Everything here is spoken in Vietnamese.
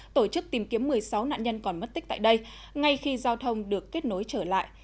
tổ chức tìm kiếm một mươi sáu nạn nhân còn mất tích tại đây ngay khi giao thông được kết nối trở lại